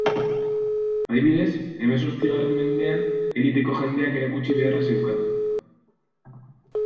Adibidez, hemezortzigarren mendean, eliteko jendeak erakutsi beharra zeukan.